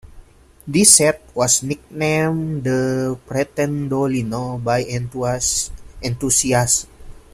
This set was nicknamed the "Pretendolino" by enthusiasts.